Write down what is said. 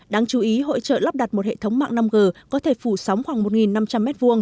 đáng chú ý hội trợ lắp đặt một hệ thống mạng năm g có thể phủ sóng khoảng một năm trăm linh m hai